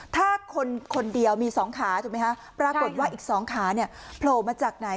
ถ้าคนคนเดียวมี๒ขาถูกไหมคะปรากฏว่าอีก๒ขาเนี่ยโผล่มาจากไหน